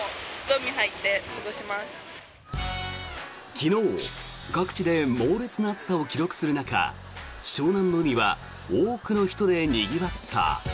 昨日、各地で猛烈な暑さを記録する中湘南の海は多くの人でにぎわった。